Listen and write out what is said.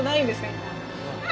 今。